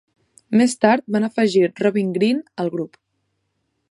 Més tard van afegir Robin Green al grup.